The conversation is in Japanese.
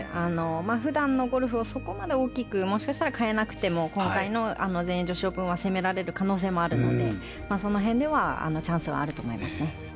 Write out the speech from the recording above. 普段のゴルフを、そこまで大きくもしかしたら変えなくても今回の全英女子オープンは攻められる可能性もあるのでその辺ではチャンスはあると思いますね。